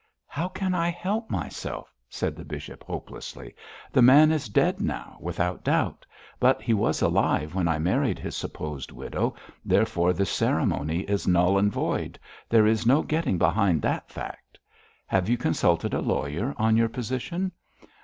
'How can I help myself?' said the bishop, hopelessly. 'The man is dead now, without doubt; but he was alive when I married his supposed widow, therefore the ceremony is null and void. There is no getting behind that fact.' 'Have you consulted a lawyer on your position?'